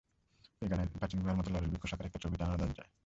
পেগানের প্রাচীন গুহার মতো লরেল বৃক্ষ শাখার একটা ছবি টানানো দরজায়।